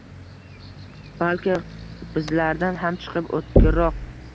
Balki bizlardan ham chiqib o’tkirroq